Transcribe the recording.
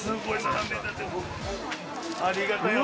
ありがたや。